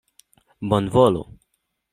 Bonvolu!